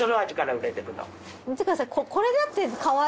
見てください。